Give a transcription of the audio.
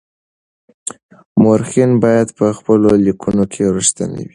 مورخین باید په خپلو لیکنو کي رښتیني وي.